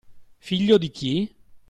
Figlio di chi?